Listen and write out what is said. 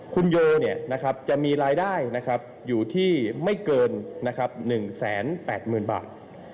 คุณโยจะมีรายได้อยู่ที่ไม่เกิน๑๘๐๐๐บาท